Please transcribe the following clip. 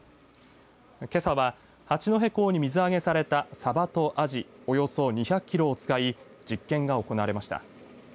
けさは八戸港に水揚げされたさばとあじおよそ２００キロを使い実験が行われました。